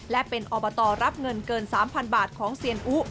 และเป็นอบตรับเงินเกิน๓๐๐๐บาทของเซียนอุ